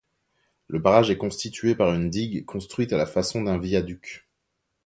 Le barrage est constitué par une digue construite à la façon d'un viaduc.